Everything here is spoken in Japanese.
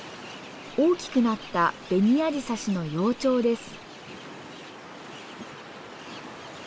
大きくなったベニアジサシの幼鳥です。